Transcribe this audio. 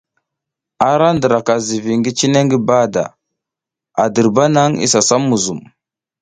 A ra diraka zivi ngi cine ngi bahada, a dirba nang isa sam muzum.